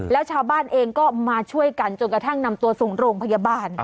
แล้วชาวบ้านเองก็มาช่วยกันจนกระทั่งนำตัวส่งโรงพยาบาล